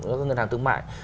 của các ngân hàng thương mại